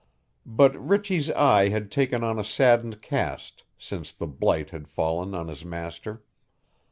But Ritchy's eye had taken on a saddened cast since the blight had fallen on his master.